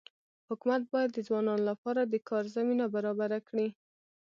حکومت باید د ځوانانو لپاره د کار زمینه برابره کړي.